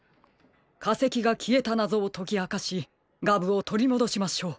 かせきがきえたなぞをときあかしガブをとりもどしましょう。